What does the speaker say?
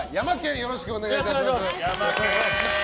よろしくお願いします。